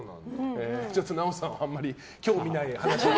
ちょっと奈緒さんはあんまり興味ない話で。